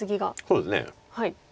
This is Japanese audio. そうですね。